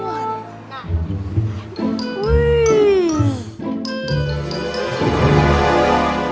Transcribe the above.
terima kasih pak